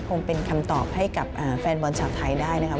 คงเป็นคำตอบให้กับแฟนบอลชาวไทยได้นะครับ